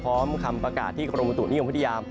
พร้อมคำประกาศที่กรมบุตุนิยมพฤติยาม